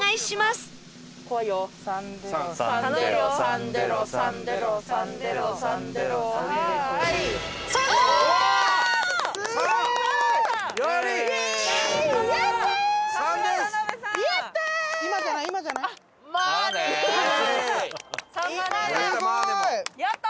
すごい！